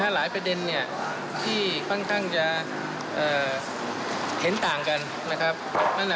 หลายประเด็นที่ค่อนข้างจะเห็นต่างกันนะครับ